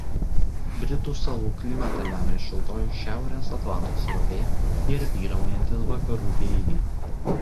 Britų salų klimatą lemia šiltoji Šiaurės Atlanto srovė ir vyraujantys vakarų vėjai.